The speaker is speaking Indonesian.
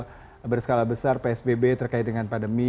ada pembatasan sosial berskala besar psbb terkait dengan pandemi